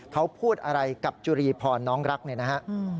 เขาพูดอะไรกับจุรีพรน้องรักเนี่ยนะฮะ